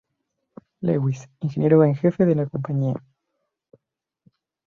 Lewis, ingeniero en jefe de la compañía.